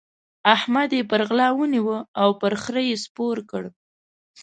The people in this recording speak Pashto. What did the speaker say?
احمد يې پر غلا ونيو او پر خره يې سپور کړ.